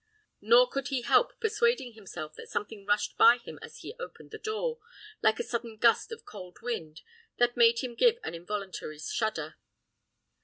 Nor could he help persuading himself that something rushed by him as he opened the door, like a sudden gust of cold wind, that made him give an involuntary shudder.